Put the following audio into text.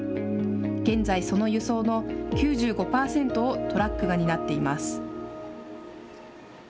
現在、その輸送の９５％をトラックが担っています。